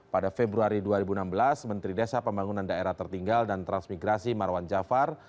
pada februari dua ribu enam belas menteri desa pembangunan daerah tertinggal dan transmigrasi marwan jafar